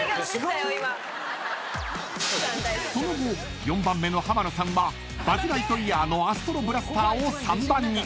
［その後４番目の浜野さんはバズ・ライトイヤーのアストロブラスターを３番に］